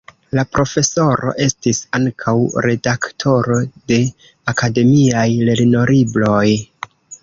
La profesoro estis ankaŭ redaktoro de akademiaj lernolibroj.